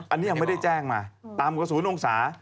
อันนี้ยังไม่ได้แจ้งมาต่ำกว่า๐องศา